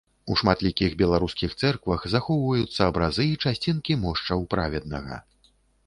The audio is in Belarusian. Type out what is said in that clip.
У шматлікіх беларускіх цэрквах захоўваюцца абразы і часцінкі мошчаў праведнага.